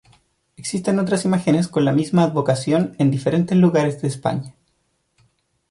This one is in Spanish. Existen otras imágenes con la misma advocación en diferentes lugares de España.